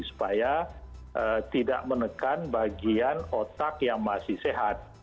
supaya tidak menekan bagian otak yang masih sehat